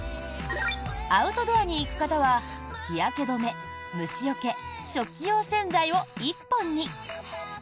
アウトドアに行く方は日焼け止め、虫よけ食器用洗剤を１本に。